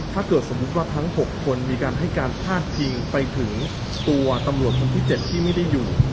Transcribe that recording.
ถ้าเกิดสมมุติว่าทั้ง๖คนมีการให้การพาดพิงไปถึงตัวตำรวจคนที่๗ที่ไม่ได้อยู่